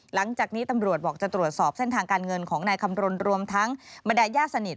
หลังจากนี้ตำรวจบอกจะตรวจสอบเส้นทางการเงินของนายคำรณรวมทั้งบรรดายญาติสนิท